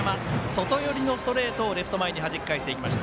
外寄りのストレートをレフト前にはじき返していきました。